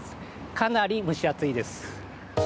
かなり蒸し暑いです。